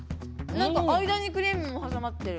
なんか間にクリームもはさまってる。